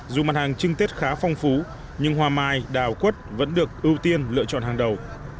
dù mặt hàng trưng tết khá phong phú nhưng hoa mai đào quất vẫn được ưu tiên lựa chọn hàng đầu